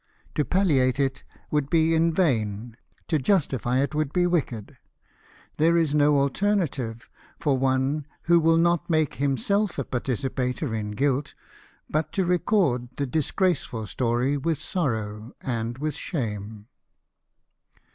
To palliate it would be in vain, to justify it would be wicked ; there PRINCE FRANCESCO CARACCIOLI. 185 is no alternative for one who will not make himself a participator in guilt but to record the disgraceful story with sorrow and with shame.